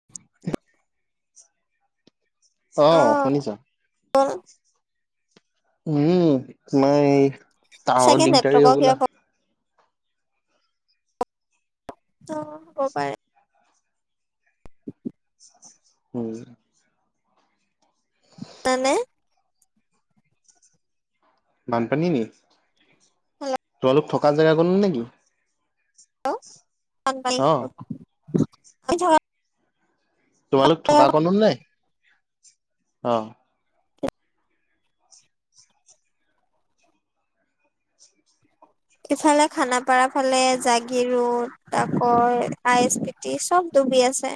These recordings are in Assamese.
[unintelligible] অ', উম, [unintelligible] তাৱৰো চাগে দিগদাৰী নেটৱৰ্কৰ কিবা হ'বলা। অ', হ'ব পাৰে। উম, মানে? বানপানী নি, হেল্ল' তোমালোক থকা জেগাকনো নেকি? অ [unintelligible] তোমালোক থকা কনন নে? অ', ইফালে খানাপাৰাৰ ফালে জাগিৰোড। তাকৰ আই এছ বি টি চব ডুবি আছে।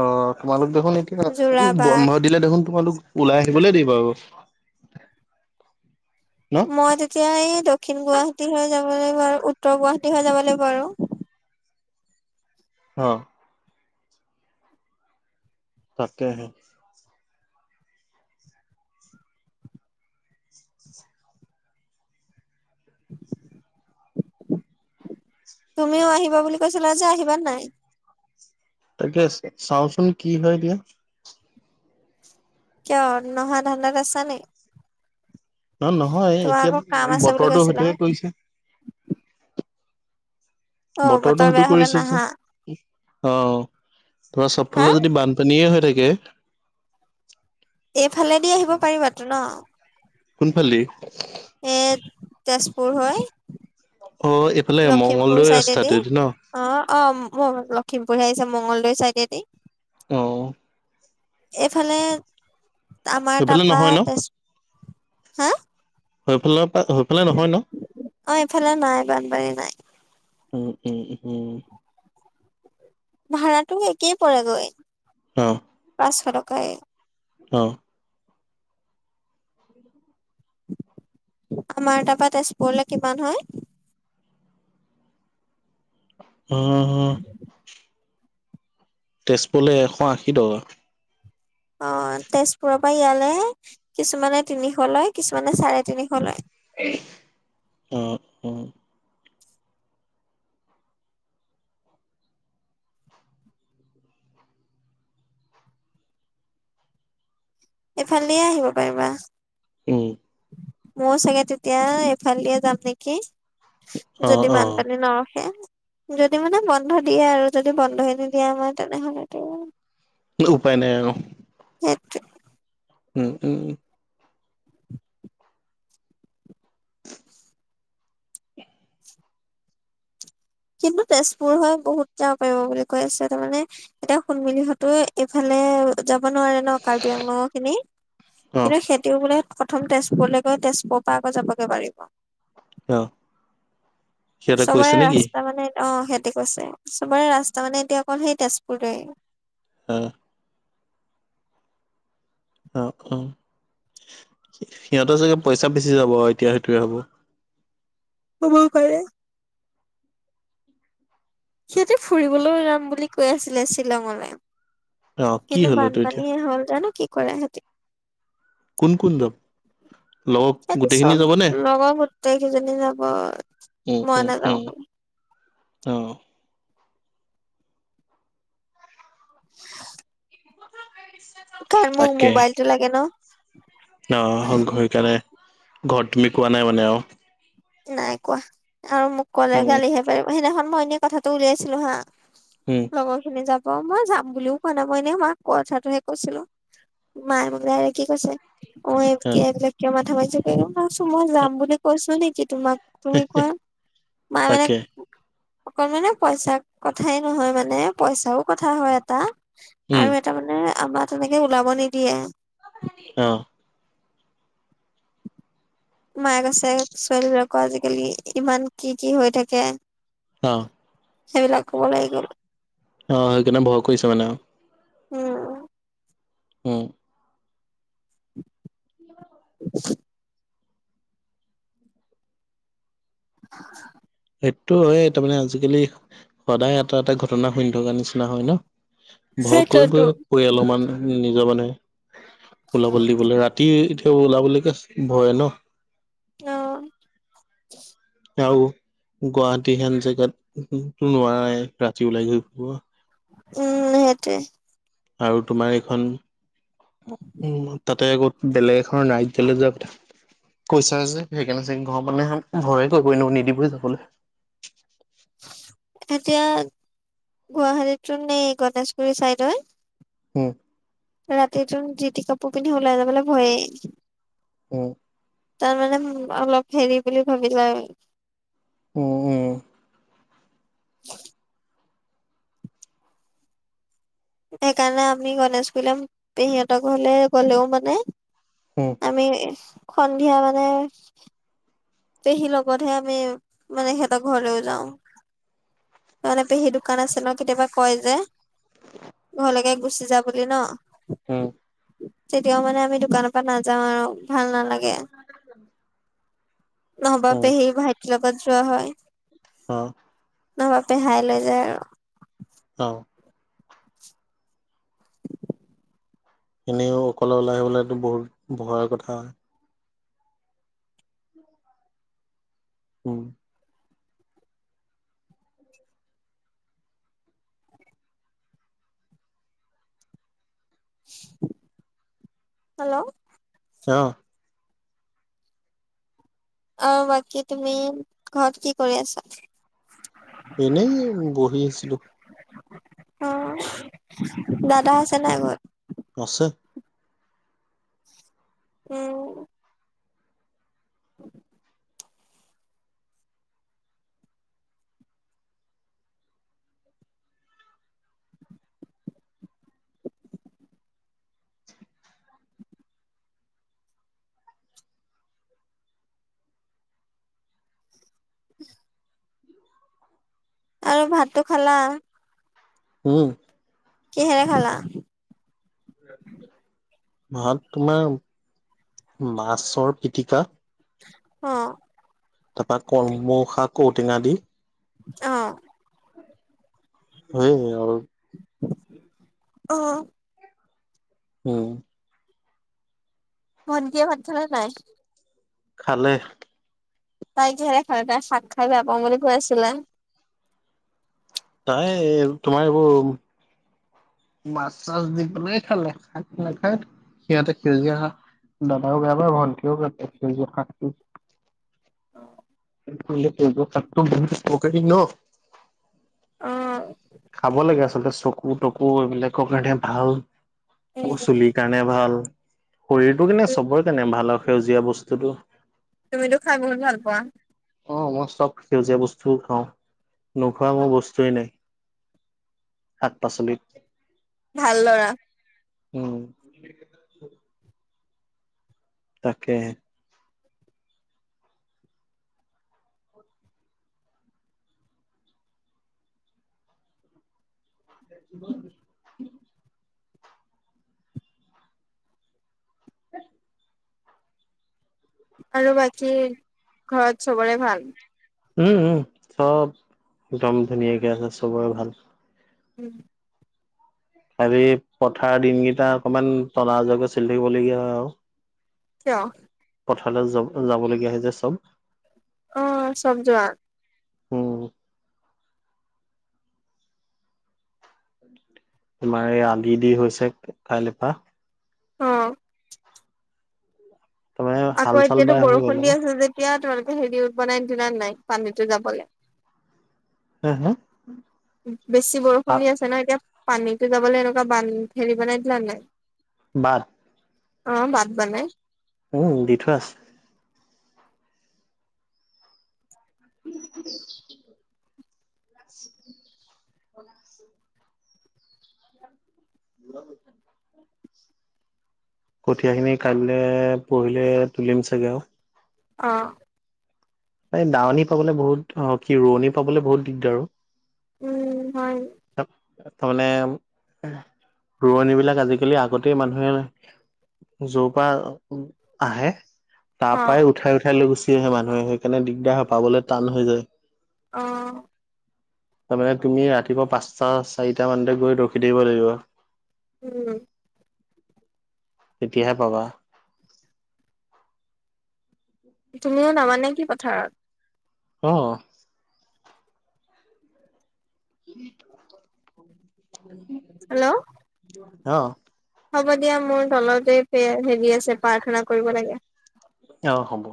অ', তোমালোক দেখোন এতিয়া উম, যোৰাবাট বন্ধত। দিলে দেখোন তোমালোক, ওলাই আহিবলে দেই বাৰু। মই তেতিয়া এই দক্ষিণ গুৱাহাটী হৈ যাব লাগিব আৰু উত্তৰ গুৱাহাটী হৈ যাব লাগিব আৰু। অ', তাকেহে। তুমিও আহিবা বুলি কৈছিলা যে, আহিবা না নাই? ঠিকে আছে, চাওচোন কি হয় দিয়া। কিয় নহা ধানদাত আছা নি? ন-নহয় তোমাৰ এতিয়া আকৌ কাম আছে বুলি বতৰটো কৈছিলা সেইটোহে কৰিছে। অ বতৰটো বতৰ সেইটো বেয়া হলে কৰিছে যে, নাহা অ, ধৰা হা চবফালে যদি বান পানীয়ে হৈ থাকে। এইফালেদি আহিব পাৰিবাতো ন'? কোন ফাল দি? এ তেজপুৰ হৈ। অ', এইফালে লখিমপুৰ মংগলদৈত চাইডেদি ৰাস্তাটো দি ন'। অ', অ, মোৰ লখিমপুৰহে আহিছে মংগলদৈ চাইডেদি। অ', এফালে, আমাৰ সেইফালে তাৰপা নহয় ন তেজ, হা? [unintelligible] নহয় ন? অ', ইফালে নাই বানপানী নাই। উম, উম, উম, ভাড়াটো একেই পৰে গৈ। অহ', পাঁচশ টকায়ে। অহ', আমাৰ তাৰপা তেজপুৰলে কিমান হয়? অহ তেজপুৰলে এশ আশী টকা। অ, তেজপুৰৰ পৰা ইয়ালে কিছুমানে তিনিশ লয়, কিছুমানে চাৰে তিনিশ লয়। অ', অ এইফালদিয়ে আহিব পাৰিবা। উম, মইও চাগে তেতিয়া এইফালদিয়ে যাম নেকি অ যদি অ বানপানী নৰখে। যদি মানে বন্ধ দিয়ে আৰু যদি বন্ধই নিদিয়ে মই তেনেহলেটো [unintelligible] উপায় নাই আৰু। সেটোৱে। উম -উম কিন্তু তেজপুৰ হয় বহুত যাব পাৰিব বুলি কৈ আছে তাৰমানে এতিয়া শুণমিলিহঁতো এইফালে যাব নোৱাৰে ন' কাৰ্বি আংলং খিনি অ কিন্তু সেই তেওঁ বোলে প্ৰথম তেজপুৰলে গৈ তেজপুৰৰ পা আকৌ যাবগে পাৰিব। অ [inaudible] সিহঁতে চবে কৈছে ৰাচ নেকি তা মানে অ, সিহঁতে কৈছে চবৰে ৰাস্তা মানে এতিয়া অকল সেই তেজপুৰে। হা। অ', অ', সিহঁতৰ চাগে পইচা বেচি যাব আৰু এতিয়া সেইটোৱে হ'ব। হ'ব পাৰে। সিহঁতে ফুৰিবলৈও যাম বুলি কৈ আছিলে শ্বিলঙলে। অ কি কিন্তু হ'ল এইটো এতিয়া বানপানীয়ে হ'ল জানো কি কৰে এহেতি। কোন -কোন যাব লগৰ হেহেতি গোটেইখিনি যাবনে চব লগৰ গোটেই কেইজনী যাব উম মই উম নাযাও খালি। উম। তই মোক তাকে মোবাইলটো লাগে ন'। অ, ঘূৰি কেনে ঘৰত তুমি কোৱা নাই মানে আও? নাই কোৱা আৰু মোক ক'লে উম গালিহে পাৰিব সেইদিনাখন মই এনেই কথাটো উলিয়াইছিলো হা উম, লগৰখিনি যাব মই যাম বুলিও কোৱা নাই মই এনে মাক কথাটোহে কৈছিলোঁ। মায় বোলে কি কৈছে অ, এতিয়া এইবিলাক কিয় মাথা মাৰিছো কে মই কৈছো মই যাম বুলি কৈছো নেকি তোমাক? তুমি কোৱা মায় মানে তাকে অকল মানে পইচা কথাই নহয় মানে পইচাও কথা হয় এটা উম, তাৰ মানে আমাৰ তেনেকে ওলাব নিদিয়ে। [unintelligible] অহ, মায়ে আছে ছোৱালী বিলাকৰ আজিকালি ইমান কি -কি হৈ থাকে। অ', সেইবিলাকো ওলাই গ'ল। অ, সেই কাৰণে ভয় কৰিছ মানে আও। উম, উম, [unintelligible] [unintelligible] সেইটো এ তাৰমানে আজিকালি সদায় এটা- এটা ঘটনা শুনি থকা নিচিনা হয় ন? ভয় সেইটোৱেতো কৰিবই পৰিয়ালৰ মানে নিজৰ মানে [unintelligible] ওলাবলৈ দিবলৈ ৰাতি এতিয়া ওলাবলৈকে ভয় ন। অ', আৰু গুৱাহাটী হেন জেগাত নোৱাৰাই ৰাতি ওলাই ঘূৰি ফুৰিব। উম, সেইটোৱে। আৰু তোমাৰ এইখন উম, তাতে আগত বেলেগ এখন ৰাজ্যলে যোৱা কথা। কৈছা যে সেকানে চাগে ঘৰ মানুহে ভয়ে কৰিব এনেও নিদিবই যাবলে। এতিয়া গুৱাহাটীতো নে গণেশগুৰি চাইদৰ। উম, ৰাতি যোন যিটি কাপোৰ পিন্ধি ওলাই যাবলৈ ভয়েই। অ', তাৰ মানে অলপ হেৰি বুলি ভাবি লই। উম - উম। সেইকাৰণে আমি গনেশকুইলম পেহীহঁতৰ ঘৰলে গ'লেও মানে উম আমি সন্ধিয়া মানে পেহীৰ লগতহে আমি মানে সিহঁতৰ ঘৰলেও যাও। তাতে পেহী দোকান আছে ন কেতিয়াবা কয় যে ঘলেকে ঘুচি যা বুলি ন। উম তেতিয়াও মানে আমি দোকানৰ পৰা নাযাও আৰু ভাল নালাগে। নহবা উম, পেহী ভাইটিৰ লগত যোৱা হয়। অ, নহবা পেহাই লৈ যায় আৰু। অ', এনেইও অকলে ওলাই আহিবলৈতো বহুত ভয়ৰ কথা। উম, হেল্ল', অ', আহ বাকী তুমি ঘৰত কি কৰি আছা? এনেই বহি আছিলো। অ, দাদা আছে নাই ঘৰত। আছে। উম, [unintelligible] [unintelligible] আৰু ভাতটো খালা? উম, কেহেৰে খালা। ভাত তোমাৰ মাছৰ পিটিকা। অ', তাৰ পৰাৰা কলমশা ঔটেঙা দি। অ', হেই আৰু। অ', উম, ভন্টীয়ে ভাত খালেনে নাই। খালে। তাই কিহেৰে খালে তাই শাক খাই বেয়া পাও বুলি কৈ আছিলে। তাই তোমাৰ এইবোৰ মাছ চাচ দি পেলায় খালে ভাত নাখাই। সিহঁতে সেউজীয়া শাক, দাদাও বেয়া পায় ভন্টিও বেয়া পায় সেউজীয়া শাকটো। অ', প কৰি ন। [unintelligible] অ', খাব লাগে আচলতে চকু তকু এইবিলাকৰ কাৰণে ভাল প উম চলিৰ কাৰণে কেনে ভাল, শৰীৰটো কেনে চবৰে কেনে ভাল আৰু সেউজীয়া বস্তুতটো। তুমিতো খাই বহুত ভাল পোৱা। অ, মই চব সেউজীয়া বস্তুও খাও, নোখোৱা মোৰ বস্তুৱয়ে নাই। শাক পাচলিত। ভাল ল'ৰা। উম, তাকে। [unintelligible] উম, আৰু বাকী, ঘৰত চবৰে ভাল। উম - উম চব একদম ধুনীয়াকে আছে চবৰে ভাল। উম, হি পথাৰ দিনকেইটা অকমান তলজকে চলি থাকিবলগীয়া হয় আৰু। কিয়? পথাৰত য - যাবলগীয়া যে চব। অ, চব যোৱা। উম তমাৰ এই আলি দি হৈছে কাইলৈ পৰা। অ', তাৰমানে হাল আকৌ চাল এতিয়াতো বাই হৈ গ'ল বৰষুণ আৰু দি আছে যেতিয়া তোমালোকে হেৰি উম, ব নাই নিদিনা নাই পানীতো যাবলৈ। হা - হা? বেছি বৰষুণ দি আছে ন এতিয়া পানীটো যাবলৈ এনেকুৱা বান হেৰি বনাই দিলা নাই। বাদ অ, ভাত বানে। উম, দি থোৱা আছে। [unintelligible] ব। [unintelligible] কঠীয়াখিনি কাইলৈ পঢহিলে তুলিম চাগৈ আৰু। অ', এই দাৱনী পাবলৈ বহুত কি ৰোৱনী পাবলৈ বহুত দিগদাৰ আৰু। উম, হয়। তাৰমানে ৰোৱনী বিলাক আজিকালি আগতেই মানুহে যোৰ পৰা আহে। তাৰ অ পাই উঠাই - উঠাই লৈ গুচি আহে মানুহে সেইকাৰণে দিগদাৰ হৈ পাবলৈ টান হৈ যায়। অ', তাৰমানে তুমি ৰাতিপুৱা পাঁচটা চাৰিটা মানতে গৈ ৰখি থাকিব লাগিব। উম, তেতিয়াহে পাবা। তুমি নামা নেকি পথাৰত। অহ', উম [unintelligible] হেল্ল', অহ', হ'ব দিয়া মোৰ তলতে হেৰি আছে প্ৰাৰ্থনা কৰিব লাগে। অ, হ'ব।